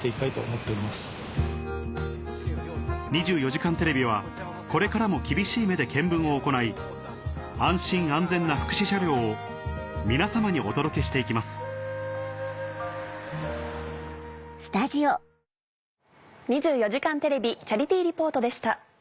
『２４時間テレビ』はこれからも厳しい目で検分を行い安心・安全な福祉車両を皆様にお届けして行きます「２４時間テレビチャリティー・リポート」でした。